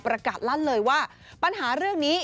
ลั่นเลยว่าปัญหาเรื่องนี้